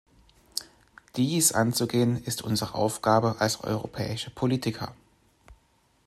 Dies anzugehen, ist unsere Aufgabe als europäische Politiker.